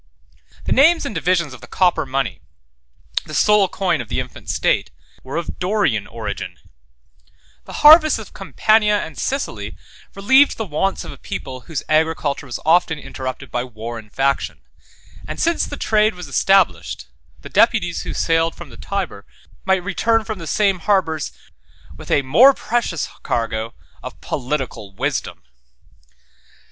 13 The names and divisions of the copper money, the sole coin of the infant state, were of Dorian origin: 14 the harvests of Campania and Sicily relieved the wants of a people whose agriculture was often interrupted by war and faction; and since the trade was established, 15 the deputies who sailed from the Tyber might return from the same harbors with a more precious cargo of political wisdom.